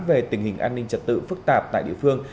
về tình hình an ninh trật tự phức tạp tại địa phương